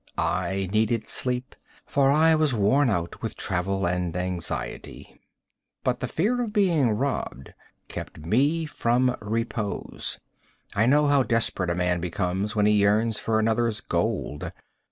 I needed sleep, for I was worn out with travel and anxiety, but the fear of being robbed kept me from repose. I know how desperate a man becomes when he yearns for another's gold.